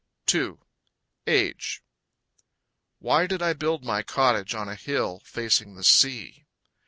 II. AGE Why did I build my cottage on a hill Facing the sea?